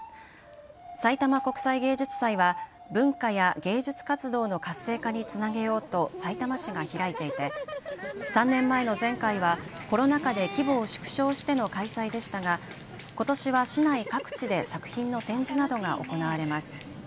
さいたま国際芸術祭は文化や芸術活動の活性化につなげようとさいたま市が開いていて３年前の前回はコロナ禍で規模を縮小しての開催でしたがことしは市内各地で作品の展示などが行われます。